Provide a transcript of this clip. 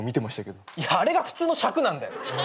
いやあれが普通の尺なんだよ！